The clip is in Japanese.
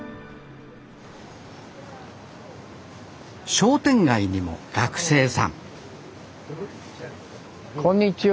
商店街にも学生さんこんにちは。